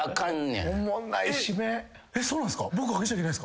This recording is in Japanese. えっそうなんすか？